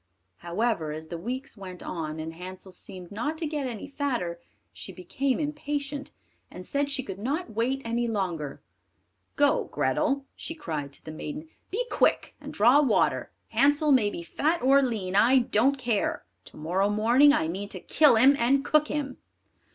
However, as the weeks went on, and Hansel seemed not to get any fatter, she became impatient, and said she could not wait any longer. "Go, Grethel," she cried to the maiden, "be quick and draw water; Hansel may be fat or lean, I don't care, to morrow morning I mean to kill him, and cook him!"